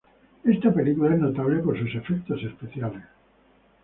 Esta película es notable por sus efectos especiales.